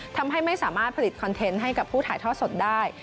ทำให้ไม่สามารถผลิตคอนเทนต์ให้กับผู้ถ่ายทอดสดได้